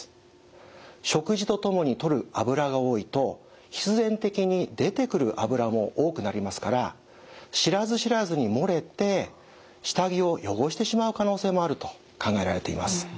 食事と共にとる脂が多いと必然的に出てくる脂も多くなりますから知らず知らずにもれて下着を汚してしまう可能性もあると考えられています。